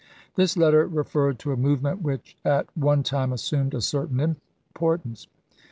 This letter referred to a movement which at one time assumed a certain importance.